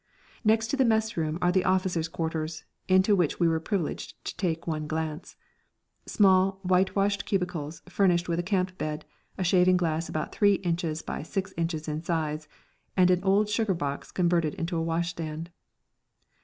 Next to the mess room are the officers' quarters (into which we were privileged to take one glance) small whitewashed cubicles furnished with a camp bed, a shaving glass about three inches by six inches in size, and an old sugar box converted into a washstand.